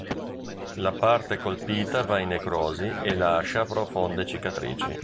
La parte colpita va in necrosi e lascia profonde cicatrici.